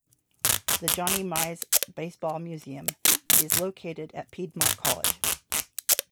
The Johnny Mize Baseball Museum is located at Piedmont College.